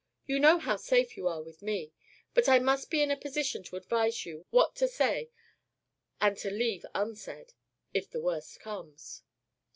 You know how safe you are with me. But I must be in a position to advise you what to say and to leave unsaid if the worst comes."